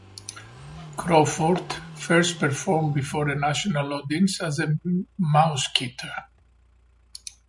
Crawford first performed before a national audience as a Mouseketeer.